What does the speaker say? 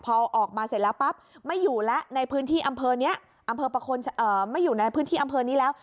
พอออกมาเสร็จแล้วปั๊บไม่อยู่ในพื้นที่อำเภอนี้แล้ว